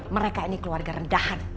mereka ini keluarga rendahan